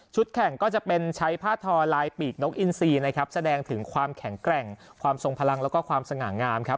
แข่งก็จะเป็นใช้ผ้าทอลายปีกนกอินซีนะครับแสดงถึงความแข็งแกร่งความทรงพลังแล้วก็ความสง่างามครับ